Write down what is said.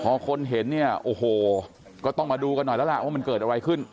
พอคนเห็นเนี่ยโอ้โหก็ต้องมาดูกันหน่อยแล้วล่ะว่ามันเกิดอะไรขึ้น